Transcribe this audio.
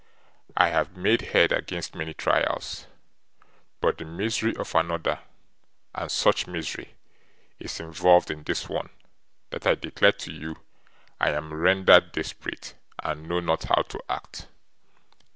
'I have made head against many trials; but the misery of another, and such misery, is involved in this one, that I declare to you I am rendered desperate, and know not how to act.